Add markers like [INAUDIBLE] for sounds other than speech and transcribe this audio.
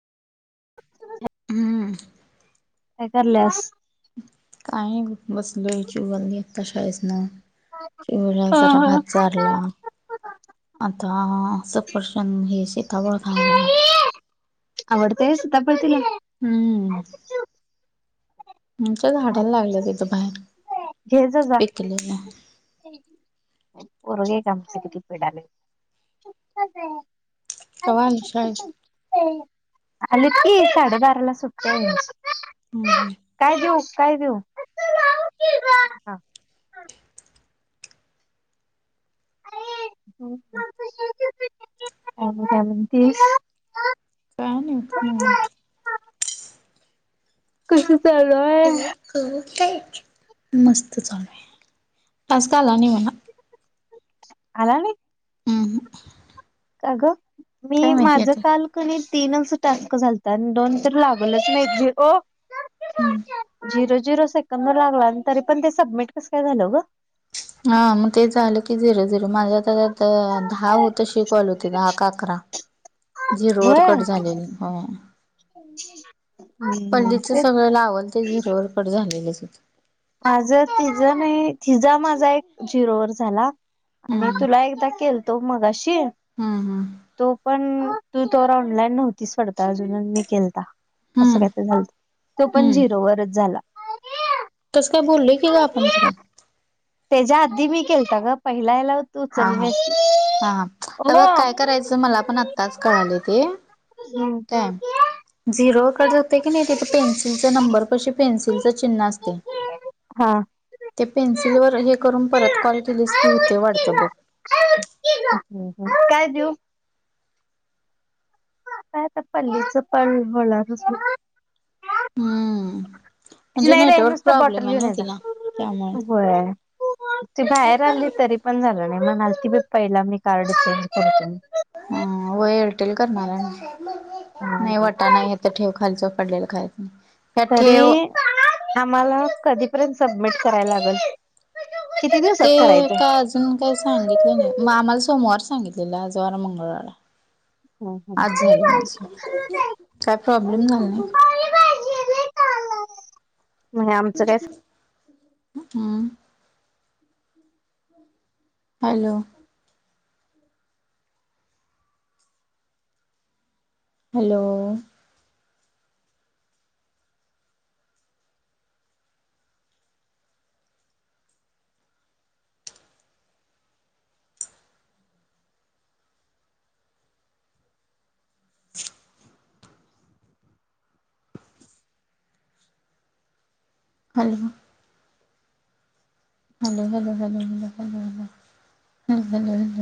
हम्म. काय करल्यास? काय बसलो याचीवालली आता शाळेस ना इमू ला हा जार हा. भात चारला आता सपरशंद हे सीताफळ खायला. आवडतय सीतापळ तिला हम्म म्हच्या झाडाला लागलं तिथं बाहेर पेक केलेलं उरग काम स कती पेडले. कवा आली शाळेत अछछ आलीत की साडेबाराला सुटेतेय. हम् हम. काय देऊ काय देऊ अस लाव की ग. [UNINTELLIGIBLE] तीस काय नय नाही म्ह कसं चालूय हो काय मस्त चालूय आज का आला नाही म्हणा आला नाही हम ह का ग मी माझ आता काल क तीन अस टास्क झालतात आणि दोन तर लागलच नाही हम्म झिरो झिरो सेकंद लागलां तरी पण ते सबमिट कस काय झालं ग हा मग ते झालं कि झिरो झिरो माझ्या त दहा होत शिकवायल होते दहा का अकरा जीरो वर होय कट झाले हा हम्म पल्लीच तेच सगळं लावल ते झिरो वर कड झालेलंच हो माझ तिजं नाही तिजा माझा एक जिरोवर झाला आणि हम्म तुला एकदा केल तो मगाशी हम्म हम्म तो पण तू तरो ऑनलाईन नव्हतीच पडता अजून मी केलता हम्म असं तो पण हम्म झिरो वरच झाला तसं काय बोललेय की ग आपण खरं त्याज्या आधी मी केलत ग पहिलाला हा हा हा ह बघ काय करायचं मला पण आत्ताच कळाले ते ह ह झिरोवर कट जातयं की नाही तिथे पेन्सिलचा नंबर पशी पेन्सिलच चिन्ह असते हा. ते पेन्सिल वर हे करून परत कॉल केलस की होते वाढते बघ [INAUDIBLE] काय देऊ [INAUDIBLE] काय त्या पल्लीच पण होणार [INAUDIBLE] हम्म. म्हणजे नाही र नेटवर्क नुसता प्रॉब्लेम बॉटल आहे घेऊन ना ये जा तिला त्यामुळे. त्यामुळे. होय ती बाहेर आली तरी पण झालं नाही म्हनालती बाय पहिला मी कार्ड चेंज करते हम् व एअरटेल करनार नाही हम्म. वटाना हे तर ठेव खालचं पडलेलं खायच नाही का ठेव तरी आम्हाला कधीपर्यंत सबमिट करायला लागेल किती ते दिवसात करायचं? का अजून काय सांगित नाही मग आम्हाला सोमवार सांगितलेलं आज वार मंगळवार हम्म हम्म. आज झालं माझं काय प्रॉब्लेम झालं नाही म्हणजे आमचं काय हम् हॅलो हॅलो [INAUDIBLE] हॅलो [UNINTELLIGIBLE]